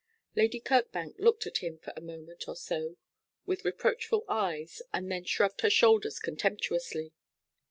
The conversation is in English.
Lady Kirkbank looked at him for a moment or so with reproachful eyes, and then shrugged her shoulders contemptuously.